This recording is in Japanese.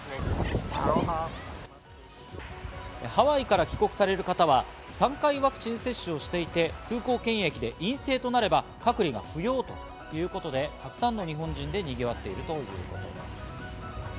ハワイから帰国される方は、３回ワクチン接種をしていて、空港検疫で陰性となれば隔離が不要ということで、たくさんの日本人でにぎわっているということです。